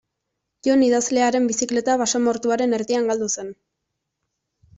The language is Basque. Jon idazlearen bizikleta basamortuaren erdian galdu zen.